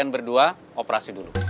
kalian berdua operasi dulu